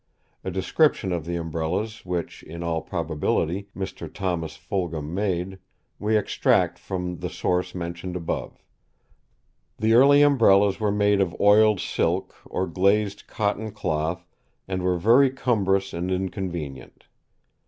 A description of the Umbrellas which, in all probability, Mr. Thomas Folgham made, we extract from the source mentioned above. "The early Umbrellas were made of oiled silk, or glazed cotton cloth, and were very cumbrous and inconvenient.